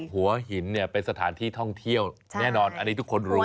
หัวหินเนี่ยเป็นสถานที่ท่องเที่ยวแน่นอนอันนี้ทุกคนรู้